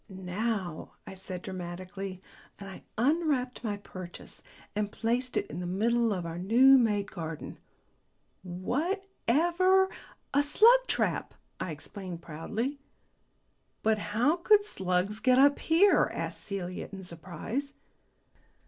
"Now!" I said dramatically, and I unwrapped my purchase and placed it in the middle of our new made garden. "Whatever " "A slug trap," I explained proudly. "But how could slugs get up here?" asked Celia in surprise.